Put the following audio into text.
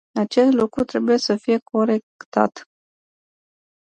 Acest lucru trebuie să fie corectat.